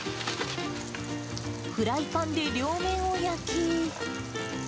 フライパンで両面を焼き。